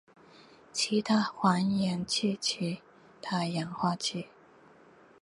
其他还原器其他氧化剂